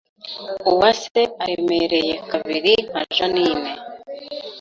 Uwase aremereye kabiri nka Jeaninne